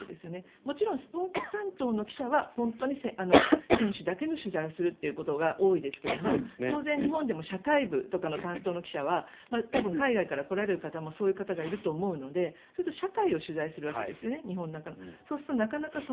もちろん、スポーツ担当の記者は本当に選手だけの取材をすることが多いですけども当然、日本でも社会部とかの担当の記者は海外から来られる方もそういう方がいると思うのでそうすると日本の中の社会を取材するわけですよね。